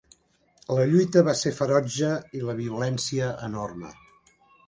La lluita va ser ferotge i la violència, enorme.